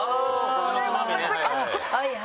それは難しそう。